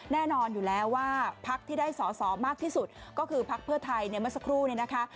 แน่นอนอยู่แล้วว่าพักที่ได้สอสอมากที่สุดก็คือพักเพื่อไทยเนี่ยเมื่อสักครู่เนี่ยนะคะ